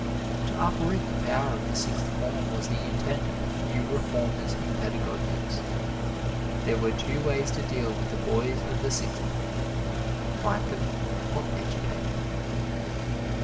To uproot the power of the Sixth Form was the intent of a few reformers in pedagogics. There were two ways to deal with the boys of the Sixth fight them or educate them.